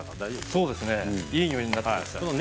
そうですねいいにおいになってきました。